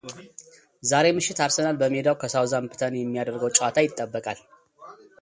ዛሬ ምሽት አርሰናል በሜዳው ከሳውዝሃምፕተን የሚያደርገው ጨዋታ ይጠበቃል።